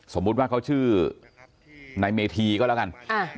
สมมุติว่าเขาชื่อนายเมธีก็แล้วกัน